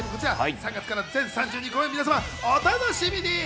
３月から全３２公演、皆様、お楽しみに。